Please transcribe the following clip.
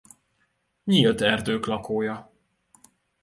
Nyílt erdők lakója.